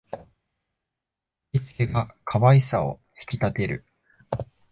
振り付けが可愛さを引き立てる